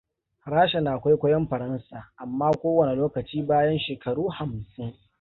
Rasha na kwaikwayon Faransa, amma ko wane lokaci bayan shekaru hamsin.